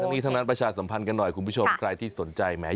ทั้งนี้ทั้งนั้นประชาสัมพันธ์กันหน่อยคุณผู้ชมใครที่สนใจแม้